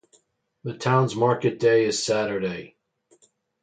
The town's market day is Saturday.